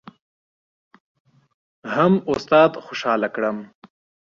هم استاد خوشحاله کړم.